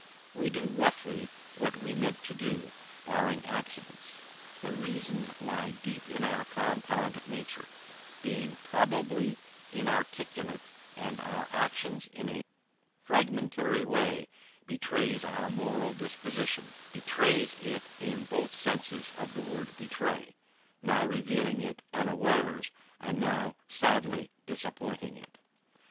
We do roughly what we meant to do, barring accidents. The reasons lie deep in our compound nature, being probably inarticulate; and our action in a fragmentary way betrays our moral disposition: betrays it in both senses of the word betray, now revealing it unawares, and now sadly disappointing it.